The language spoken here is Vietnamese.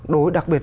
đối đặc biệt